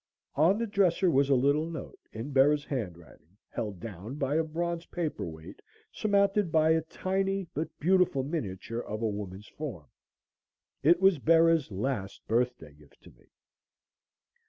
On the dresser was a little note in Bera's handwriting, held down by a bronze paperweight surmounted by a tiny, but beautiful miniature of a woman's form. It was Bera's last birthday gift to me.